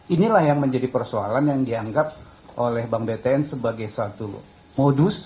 inilah yang menjadi persoalan yang dianggap oleh bank btn sebagai satu modus